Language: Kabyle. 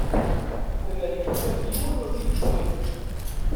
Amer ittaf yiwen ur t-id-yettwali